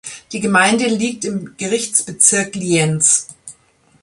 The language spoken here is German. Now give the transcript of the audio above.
Die Gemeinde liegt im Gerichtsbezirk Lienz.